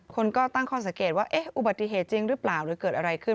คนก็ตั้งข้อสังเกตว่าอุบัติเหตุจริงหรือเปล่าหรือเกิดอะไรขึ้น